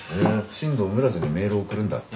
新藤村瀬にメール送るんだって。